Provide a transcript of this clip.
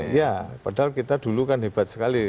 iya padahal kita dulu kan hebat sekali